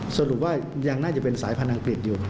สรุปว่ายังน่าจะเป็นสายพันธุอังกฤษอยู่